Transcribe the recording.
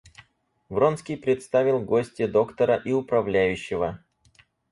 Вронский представил гостье доктора и управляющего.